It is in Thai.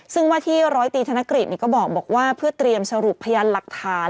ซึ่งว่าที่ร้อยตีธนกฤษก็บอกว่าเพื่อเตรียมสรุปพยานหลักฐาน